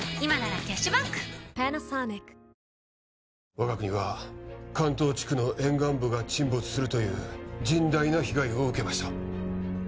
我が国は関東地区の沿岸部が沈没するという甚大な被害を受けました